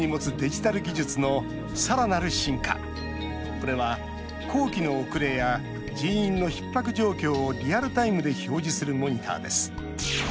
これは工期の遅れや人員のひっ迫状況をリアルタイムで表示するモニターです。